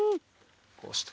こうして。